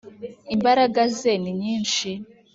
Imbaraga ze ni nyishi.